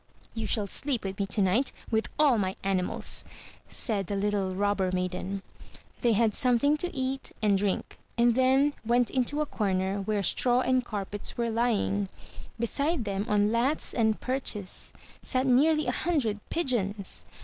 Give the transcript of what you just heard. "You shall sleep with me to night, with all my animals," said the little Robber maiden. They had something to eat and drink; and then went into a comer, where straw and carpets were lying. Beside them, on laths and perches, sat nearly a hundred pigeons.